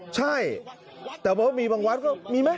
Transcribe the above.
ใช่แต่ว่ามีบางวัดก็มีไหม